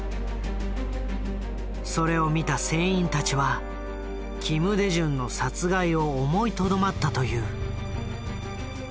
それを見た船員たちは金大中の殺害を思いとどまったという。